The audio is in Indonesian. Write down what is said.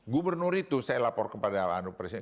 gubernur itu saya lapor kepada presiden